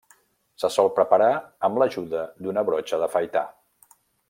Se sol preparar amb l'ajuda d'una brotxa d'afaitar.